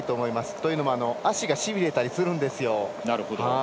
というのも足がしびれたりするんですよ。